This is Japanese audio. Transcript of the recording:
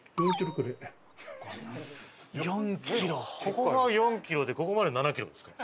ここが４キロでここまで７キロですか？